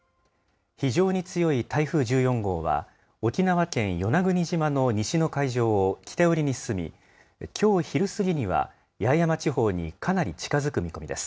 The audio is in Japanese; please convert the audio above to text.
非常に強い台風１４号は、沖縄県与那国島の西の海上を北寄りに進み、きょう昼過ぎには八重山地方にかなり近づく見込みです。